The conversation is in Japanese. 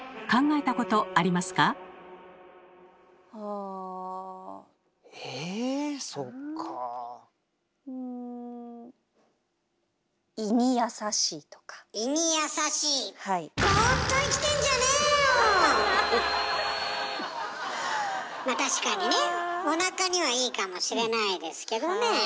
まあ確かにねおなかにはいいかもしれないですけどね。